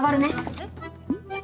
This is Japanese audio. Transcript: えっ？